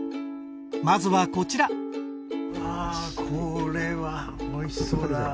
まずはこちらわぁこれはおいしそうだ。